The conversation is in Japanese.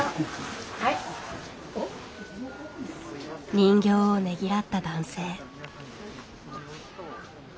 人形をねぎらった男性。